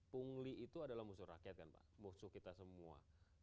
punggung itu adalah musuh rakyat musuh kita semua